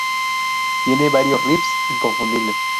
Tiene varios riffs inconfundibles.